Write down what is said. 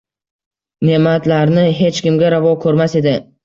Ne’matlarini hech kimga ravo ko’rmas edi.